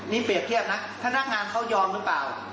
นี่เปรียบเทียบนะพนักงานเขายอมหรือเปล่า